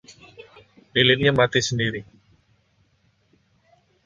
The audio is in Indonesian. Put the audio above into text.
Lilinnya mati sendiri.